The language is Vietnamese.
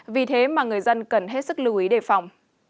vì thế mà người dân cần hết sức lưu ý đề phòng